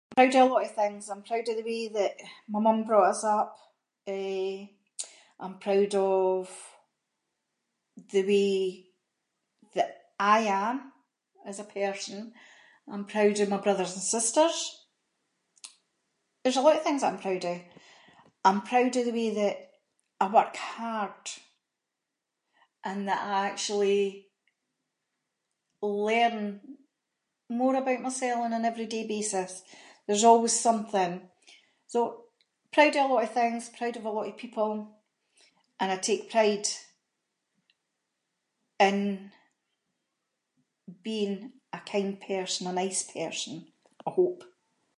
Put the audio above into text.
Proud of a lot of things, I’m proud of the way that my mum brought us up, eh, I’m proud of, the way that I am, as a person, I’m proud of my brothers and sisters. There’s a lot of things that I’m proud of. I’m proud of the way that I work hard, and that I actually learn more about mysel on an everyday basis, there’s always something. So proud of a lot of things, proud of a lot of people, and I take pride in being a kind person, a nice person, I hope.